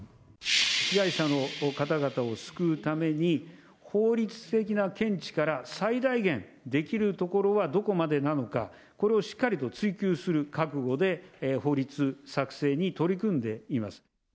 被害者の方々を救うために、法律的な見地から最大限、できるところはどこまでなのか、これをしっかりと追及する覚悟で、法律作成に取り組んでいます。